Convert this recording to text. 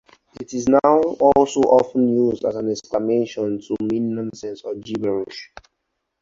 It is now also often used as an exclamation to mean nonsense or gibberish.